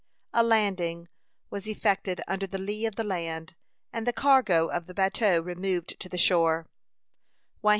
A landing was effected under the lee of the land, and the cargo of the bateau removed to the shore.